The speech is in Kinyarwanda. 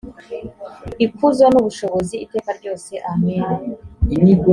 ikuzo n ubushobozi iteka ryose amen